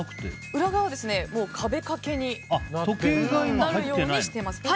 裏側は壁掛けになるようにしています。